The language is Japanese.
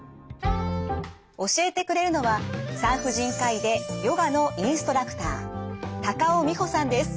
教えてくれるのは産婦人科医でヨガのインストラクター高尾美穂さんです。